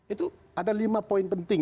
itu ada lima poin penting